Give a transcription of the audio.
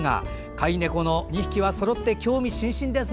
飼い猫の２匹はそろって興味津々です。